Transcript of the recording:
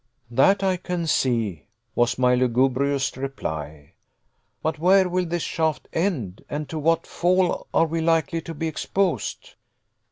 "That I can see," was my lugubrious reply; "but where will this shaft end, and to what fall are we likely to be exposed?"